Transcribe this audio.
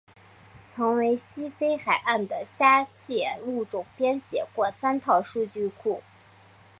曾为西非海岸的虾蟹物种编写过三套数据库。